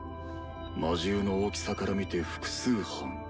魔獣の大きさから見て複数犯。